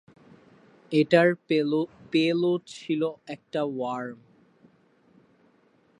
এটার পেলোড ছিলো একটা ওয়ার্ম।